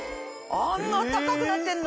あんなあったかくなってんの？